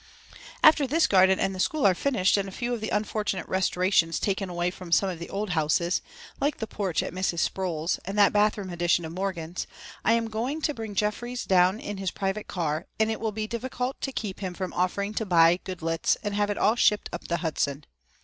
"After this garden and the school are finished and a few of the unfortunate restorations taken away from some of the old houses, like the porch at Mrs. Sproul's and that bathroom addition of Morgan's, I am going to bring Jeffries down in his private car and it will be difficult to keep him from offering to buy Goodloets and have it all shipped up the Hudson.